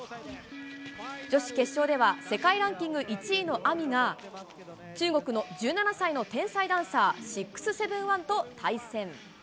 女子決勝では、世界ランキング１位のＡＭＩが、中国の１７歳の天才ダンサー、６７１と対戦。